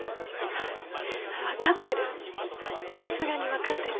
わかってる。